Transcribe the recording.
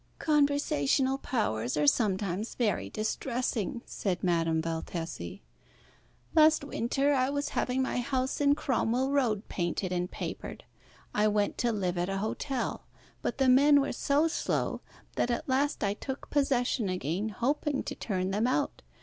"Conversational powers are sometimes very distressing," said Madame Valtesi. "Last winter I was having my house in Cromwell Road painted and papered. I went to live at a hotel, but the men were so slow, that at last I took possession again, hoping to turn them out.